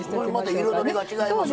また彩りが違いますな。